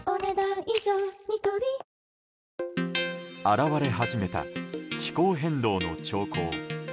表れ始めた気候変動の兆候。